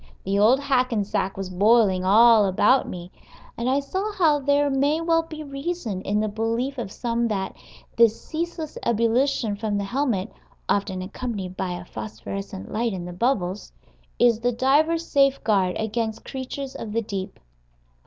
The old Hackensack was boiling all about me, and I saw how there may well be reason in the belief of some that this ceaseless ebullition from the helmet (often accompanied by a phosphorescent light in the bubbles) is the diver's safeguard against creatures of the deep.